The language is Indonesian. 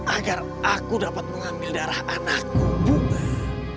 agar aku dapat mengambil darah anakku bu ben